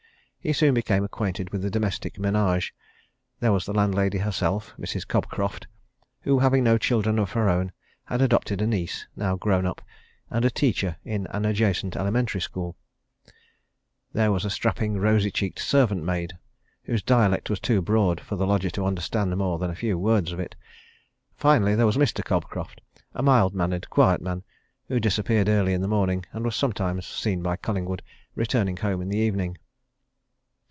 He soon became acquainted with the domestic menage. There was the landlady herself, Mrs. Cobcroft, who, having no children of her own, had adopted a niece, now grown up, and a teacher in an adjacent elementary school: there was a strapping, rosy cheeked servant maid, whose dialect was too broad for the lodger to understand more than a few words of it; finally there was Mr. Cobcroft, a mild mannered, quiet man who disappeared early in the morning, and was sometimes seen by Collingwood returning home in the evening.